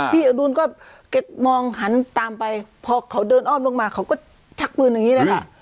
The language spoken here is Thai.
อดุลก็แกมองหันตามไปพอเขาเดินอ้อมลงมาเขาก็ชักปืนอย่างนี้เลยค่ะ